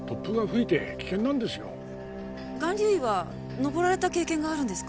巌流岩登られた経験があるんですか？